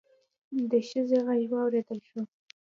د ښځې غږ واوريدل شو.